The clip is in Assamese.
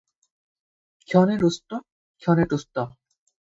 ক্ষণে ৰুষ্ট, ক্ষণে তুষ্ট।